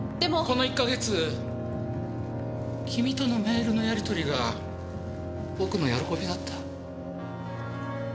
この１か月君とのメールのやり取りが僕の喜びだった。